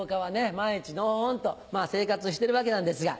毎日のほほんと生活してるわけなんですが。